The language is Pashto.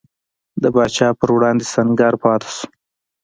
د پاچا پر وړاندې سنګر پاتې شو.